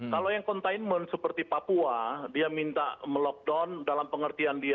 kalau yang containment seperti papua dia minta melockdown dalam pengertian dia